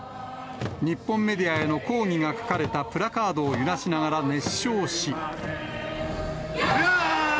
日本メディアへの抗議が書かれたプラカードを揺らしながら熱唱し。